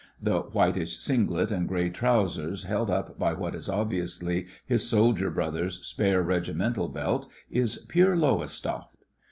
The whitish singlet and grey trousers held up by what is obviously his soldier brother's spare regimental belt is pure Lowestoft.